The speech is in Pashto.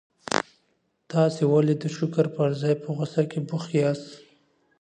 تاسي ولي د شکر پر ځای په غوسه کي بوخت یاست؟